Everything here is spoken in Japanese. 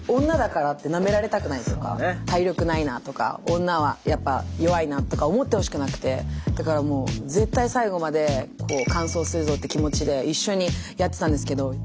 女だからってなめられたくないとか体力ないなとか女はやっぱ弱いなとか思ってほしくなくてだからもう絶対最後まで完走するぞって気持ちで一緒にやってたんですけど。